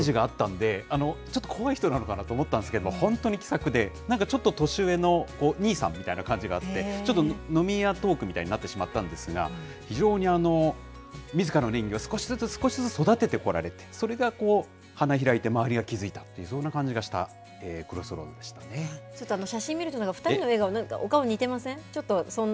あのイメージがあったんで、ちょっと怖い人なのかなと思ったんですけど、本当に気さくで、なんかちょっと年上の兄さんみたいな感じがあって、ちょっと飲み屋トークみたいになってしまったんですが、非常にみずからの演技を少しずつ少しずつ育ててこられて、それが花開いて、周りが気付いた、そんな感じがした、Ｃｒｏｓｓｒちょっと写真見ると、２人の笑顔、お顔、似てません？